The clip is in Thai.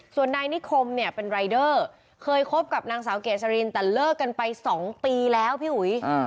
ส่วนนายนิคมเนี่ยเป็นรายเดอร์เคยคบกับนางสาวเกษรินแต่เลิกกันไป๒ปีแล้วพี่อุ๋ย